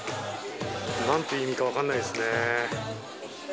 なんていう意味か、分からないですね。